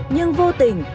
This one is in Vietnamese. nhưng vô tình